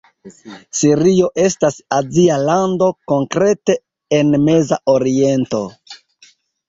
Sirio estas azia lando, konkrete en Meza Oriento.